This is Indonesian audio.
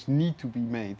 yang harus dibuat